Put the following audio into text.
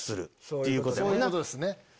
そういうことですね。